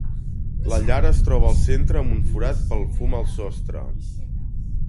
La llar es troba al centre amb un forat pel fum al sostre.